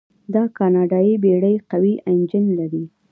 دا کاناډایي بیړۍ قوي انجن لري.